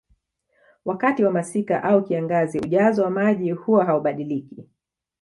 Wakati wa masika au kiangazi ujazo wa maji huwa haubadiliki